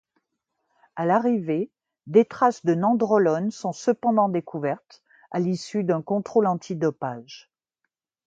À l'arrivée, des traces de nandrolone sont cependant découvertes à l'issue d'un contrôle anti-dopage.